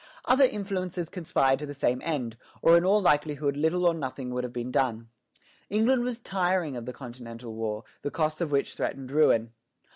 Other influences conspired to the same end, or in all likelihood little or nothing would have been done. England was tiring of the Continental war, the costs of which threatened ruin.